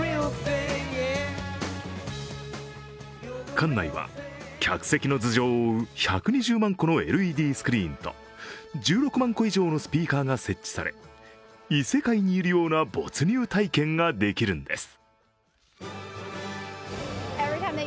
館内は客席の頭上を覆う１２０万個のＬＥＤスクリーンと１６万個以上のスピーカーが設置され異世界にいるような没入体験ができるんです。